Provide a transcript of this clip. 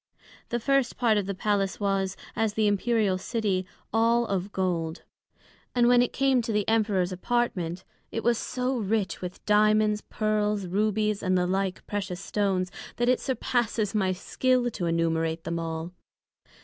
The first part of the Palace was, as the Imperial City, all of Gold; and when it came to the Emperors appartment, it was so rich with Diamonds, Pearls, Rubies, and the like precious Stones, that it surpasses my skill to enumerate them all.